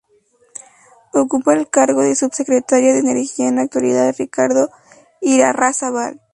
Ocupa el cargo de Subsecretaria de Energía en la actualidad Ricardo Irarrázabal